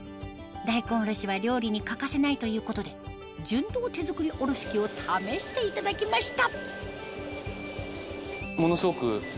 大根おろしは料理に欠かせないということで純銅手造りおろし器を試していただきました